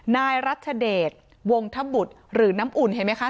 นายรัชเดชวงธบุตรหรือน้ำอุ่นเห็นไหมคะ